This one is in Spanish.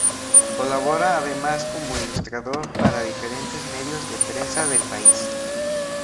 Colabora además como ilustrador para diferentes medios de prensa del país.